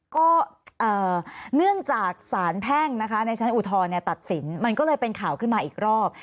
ก็เนื่องจากสารแพ่งนะคะในชั้นอุทธรณ์ตัดสินมันก็เลยเป็นข่าวขึ้นมาอีกรอบ